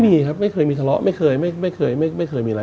ไม่มีครับไม่เคยมีทะเลาะไม่เคยไม่เคยไม่เคยไม่เคยมีอะไร